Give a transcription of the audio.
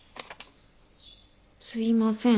「すいません。